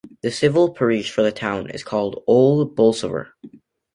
The civil parish for the town is called Old Bolsover.